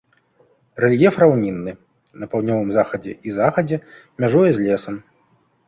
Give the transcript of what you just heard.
Рэльеф раўнінны, на паўднёвым захадзе і захадзе мяжуе з лесам.